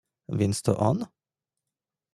"Więc to on?"